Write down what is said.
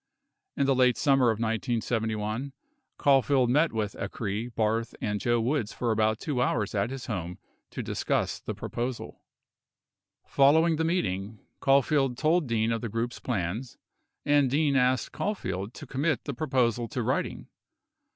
40 In the late summer of 1971, Caulfield met with Acre©, Barth, and Joe Woods for about 2 hours at his home to discuss the proposal. 41 Following the meeting, Caulfield told Dean of the group's plans, and Dean asked Caulfield to commit the proposal to writing.